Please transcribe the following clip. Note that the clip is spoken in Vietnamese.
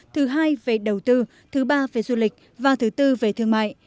thứ hai về đầu tư thứ ba về du lịch và thứ tư về thương mại